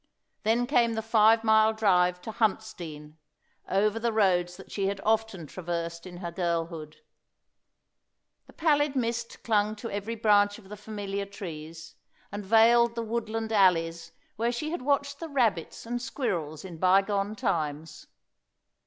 Then came the five mile drive to Huntsdean, over the roads that she had often traversed in her girlhood. The pallid mist clung to every branch of the familiar trees, and veiled the woodland alleys where she had watched the rabbits and squirrels in bygone times.